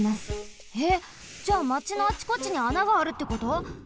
えっじゃあまちのあちこちにあながあるってこと！？